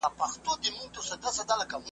دا ویده اولس به ویښ سي د ازل بلا وهلی `